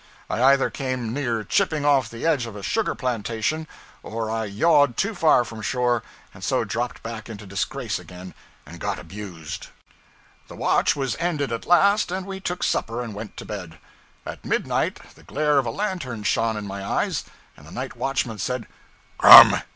I either came near chipping off the edge of a sugar plantation, or I yawed too far from shore, and so dropped back into disgrace again and got abused. The watch was ended at last, and we took supper and went to bed. At midnight the glare of a lantern shone in my eyes, and the night watchman said 'Come!